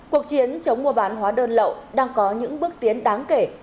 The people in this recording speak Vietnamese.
cuộc chiến chống mua bán hóa đơn lậu đang có những bước tiến đáng kể